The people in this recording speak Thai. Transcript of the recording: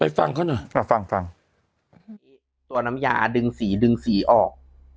ฟังเขาหน่อยมาฟังฟังตัวน้ำยาดึงสีดึงสีออก